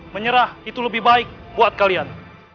menyerah itu lebih baik buat kalian